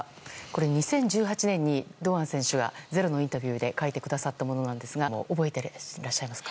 ２０１８年に堂安選手が「ｚｅｒｏ」のインタビューで書いてくださったものですが覚えてらっしゃいますか？